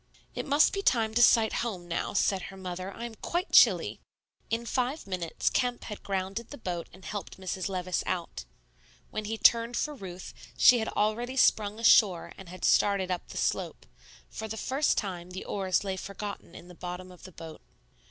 "It must be time to sight home now," said her mother; "I am quite chilly." In five minutes Kemp had grounded the boat and helped Mrs. Levice out. When he turned for Ruth, she had already sprung ashore and had started up the slope; for the first time the oars lay forgotten in the bottom of the boat.